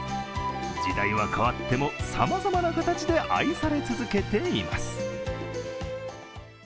時代は変わっても、さまざまな形で愛され続けています。